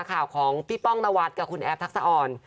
ข่าวของพี่ป้องนวัดกับคุณแอฟทักษะอ่อน